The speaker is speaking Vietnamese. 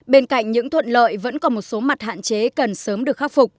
bên cạnh những thuận lợi vẫn còn một số mặt hạn chế cần sớm được khắc phục